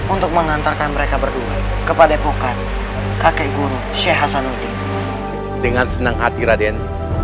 untuk mengantarkan mereka berdua kepada pokokan kakek guru syahsanudin dengan senang hati raden